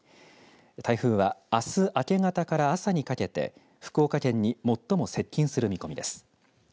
台風は、あす明け方から朝にかけて福岡県に最も接近する見込みです。